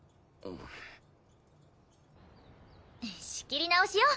仕切り直しよ。